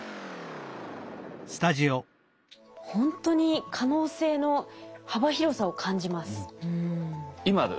ほんとに可能性の幅広さを感じます。